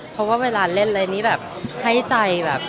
เพราะว่าเวลาเล่นอะไรนี่แบบให้ใจแบบ